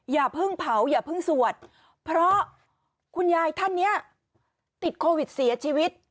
อย่าเพิ่งเผาอย่าเพิ่งสวดเพราะคุณยายท่านนี้ติดโควิดเสียชีวิต